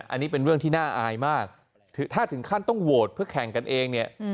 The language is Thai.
อันนี้เป็นเรื่องที่น่าอายมากถ้าถึงขั้นต้องโหวตเพื่อแข่งกันเองเนี่ย